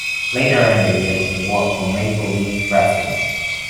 Later in the year, he worked for Maple Leaf Wrestling.